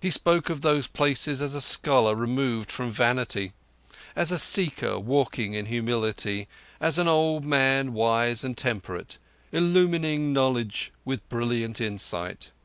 He spoke of those places as a scholar removed from vanity, as a Seeker walking in humility, as an old man, wise and temperate, illumining knowledge with brilliant insight.